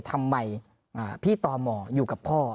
ทำไมพี่ตมอยู่กับพ่อ